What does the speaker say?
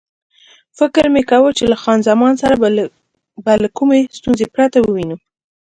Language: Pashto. فکر مې کاوه چې له خان زمان سره به له کومې ستونزې پرته ووینو.